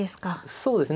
そうですね。